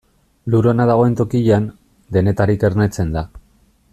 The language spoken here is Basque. Lur ona dagoen tokian, denetarik ernetzen da.